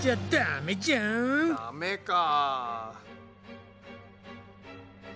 ダメか。